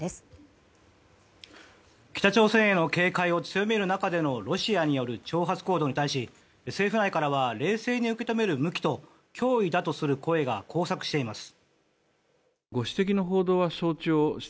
北朝鮮への警戒を強める中でのロシアによる挑発行動に対し政府内からは冷静に受け止める向きと脅威だとする声が交錯しています。